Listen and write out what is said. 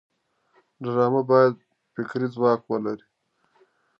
ډرامه باید فکري ځواک ولري